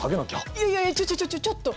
いやいやちょちょちょちょっと！